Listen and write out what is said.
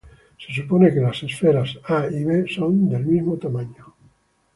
Se supone que las esferas "A" y "B" son del mismo tamaño.